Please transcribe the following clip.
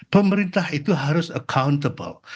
pemerintah itu harus accountable